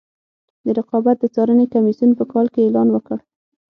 د رقابت د څارنې کمیسیون په کال کې اعلان وکړ.